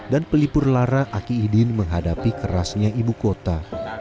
dan pelipur lara aki i din menghadapi kerasnya ibu kota